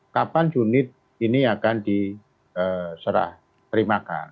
kapan unit ini akan diserah terimakan